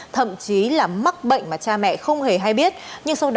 thậm chí là mắc bệnh